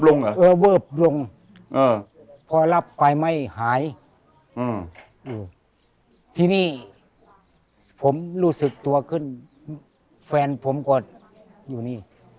เออเวิร์บลงพอรับไปไม่หายทีนี้ผมรู้สึกตัวขึ้นแฟนผมก็อยู่นี่